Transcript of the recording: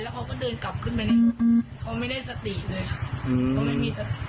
แล้วเขาก็เดินกลับขึ้นไปแล้วเขาไม่ได้สติเลย